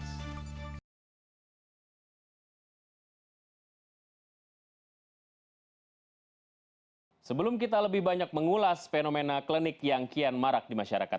sebelum kita lebih banyak mengulas fenomena klinik yang kian marak di masyarakat